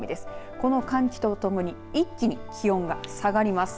この寒気とともに一気に気温が下がります。